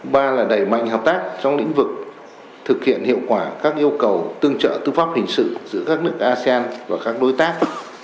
ba là đẩy mạnh hợp tác trong lĩnh vực thực hiện hiệu quả các yêu cầu tương trợ tư pháp hình sự giữa các nước asean và các đối tác